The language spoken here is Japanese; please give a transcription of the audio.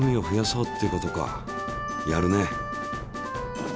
やるね！